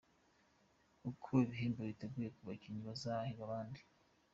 Uko ibihembo biteguye ku bakinnyi bazahiga abandi.